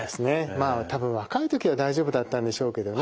まあ多分若い時は大丈夫だったんでしょうけどね